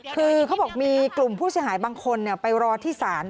คือเขาบอกมีกลุ่มผู้เสียหายบางคนไปรอที่ศาล